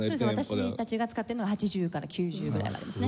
そう私たちが使ってるのは８０から９０ぐらいはありますね。